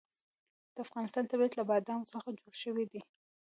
د افغانستان طبیعت له بادامو څخه جوړ شوی دی.